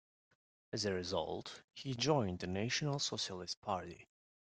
As a result, he joined the National Socialist Party.